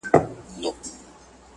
پدې حالت کي ظاهرا دده جامه